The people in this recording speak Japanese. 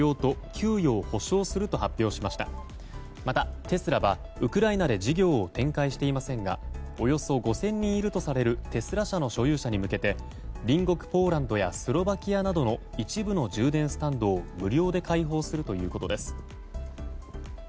また、テスラはウクライナで事業を展開していませんがおよそ５０００人いるとされるテスラ車の所有者に向けて隣国ポーランドやスロバキアなどの一部の充電スタンドを無料で開放するということです。